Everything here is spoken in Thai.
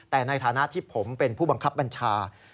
แต่ในฐานะที่ผมเป็นผู้บังคับบัญชา